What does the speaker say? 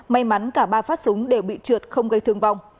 may mắn cả ba phát súng đều bị trượt không gây thương vong